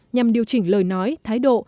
nhằm điều chỉnh lời nói thái độ